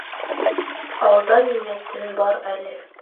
— Алда миңә төн бар әле.